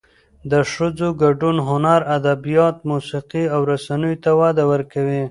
د ښځو ګډون هنر، ادبیات، موسیقي او رسنیو ته وده ورکوي.